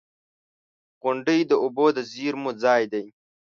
• غونډۍ د اوبو د زیرمو ځای دی.